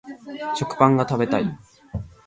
食パンが食べたい